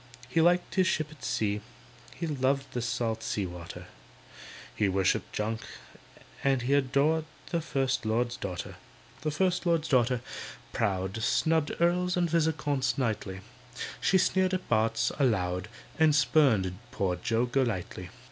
He liked his ship at sea, He loved the salt sea water, He worshipped junk, and he Adored the First Lord's daughter. The First Lord's daughter, proud, Snubbed Earls and Viscounts nightly; She sneered at Barts. aloud, And spurned poor Joe Golightly.